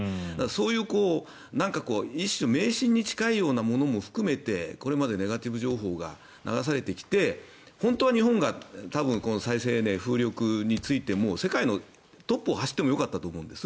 そういう、一種迷信に近いようなものも含めてこれまでネガティブ情報が流されてきて本当は日本が再生エネ風力についても世界のトップを走ってもよかったと思うんです。